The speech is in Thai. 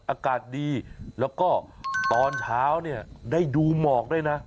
อากาศดีแล้วก็ตอนเช้าเนี่ยได้ดูหมอกด้วยนะ